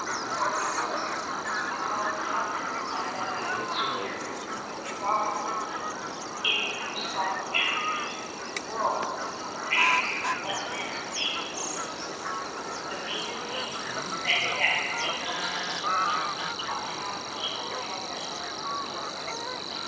For we were Upon the summit of that battled square, 6 The rock of ruin, in whose fallen shrine The world still worships what man made divine, The maiden fane, that yet may boast the birth Of half the immortalities of earth.